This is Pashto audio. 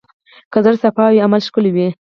که زړه صفا وي، عمل ښکلی وي.